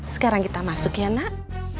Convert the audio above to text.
sekarang kita masuk ya nak